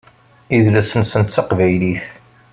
Idles-nsen d taqbaylit.